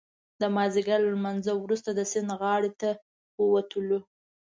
د مازدیګر له لمانځه څخه وروسته د سیند غاړې ته ووتلو.